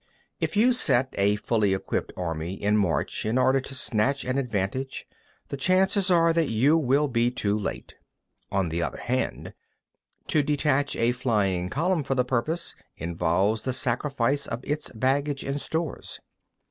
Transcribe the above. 6. If you set a fully equipped army in march in order to snatch an advantage, the chances are that you will be too late. On the other hand, to detach a flying column for the purpose involves the sacrifice of its baggage and stores.